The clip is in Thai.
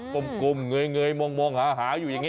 กลมเงยมองหาอยู่อย่างนี้